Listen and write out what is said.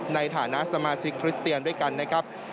ในฐานะสมาชิกคริสเตียนด้วยกันนะครับ